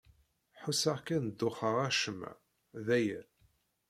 Ḥusseɣ kan duxeɣ acemma. D aya.